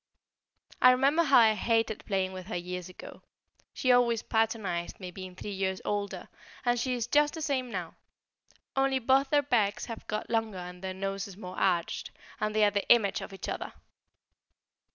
I remember how I hated playing with her years ago; she always patronised me, being three years older, and she is just the same now, only both their backs have got longer and their noses more arched, and they are the image of each other.